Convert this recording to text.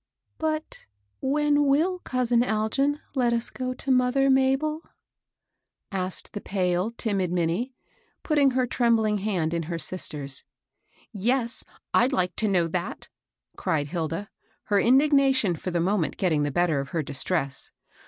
"But when tvill cousin Algin let us go to mother, Mabel ?" asked the pale, timid Minnie, putting her trembling hand in her sister's. " Yes, rd like to know that I " cried Hilda, her indignation, for the moment, getting the better of her distress.